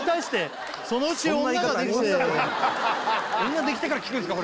女できてから聴くんすか？